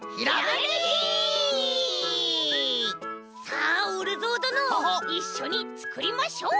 さあおるぞうどのいっしょにつくりましょう！